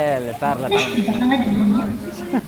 D acu i yebɣa ad d-yini?